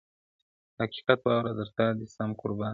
حقیقت واوره تر تا دي سم قربانه،